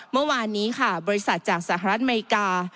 เมื่อวานนี้ค่ะบริษัทจากสหรัฐอเมริกา